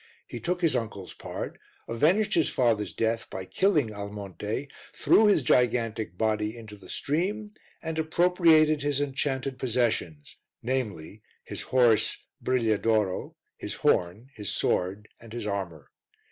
He took his uncle's part, avenged his father's death by killing Almonte, threw his gigantic body into the stream and appropriated his enchanted possessions, namely, his horse, Brigliadoro, his horn, his sword and his armour.